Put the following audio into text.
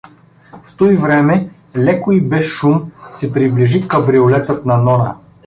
В туй време леко и без шум се приближи кабриолетът на Нона.